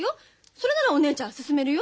それならお姉ちゃん勧めるよ。